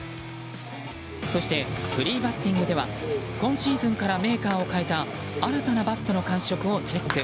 そして、フリーバッティングでは今シーズンからメーカーを変えた新たなバットの感触をチェック。